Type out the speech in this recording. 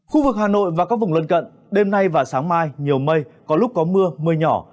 khu vực hà nội và các vùng lân cận đêm nay và sáng mai nhiều mây có lúc có mưa mưa nhỏ